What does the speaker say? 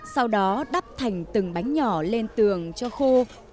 sau đó đắp thành từng bánh nhỏ lên tường cho khô